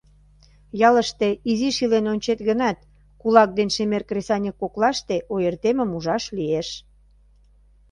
Ялыште изиш илен ончет гынат, кулак ден шемер кресаньык коклаште ойыртемым ужаш лиеш.